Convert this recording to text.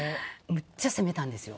むっちゃ攻めたんですよ。